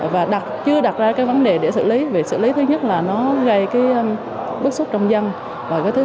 và chưa đặt ra cái vấn đề để xử lý vì xử lý thứ nhất là nó gây cái bức xúc trong dân và cái thứ